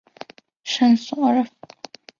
圣索尔夫。